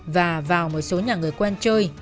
và vào một số nhà người quen chơi